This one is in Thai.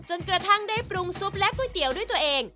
จนกระทั่งได้ปรุงซุปและก๋วยเตี๋ยวด้วยตัวเอง